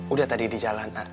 udah tadi di jalan a